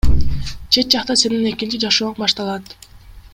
Чет жакта сенин экинчи жашооң башталат.